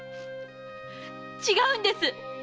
違うんです！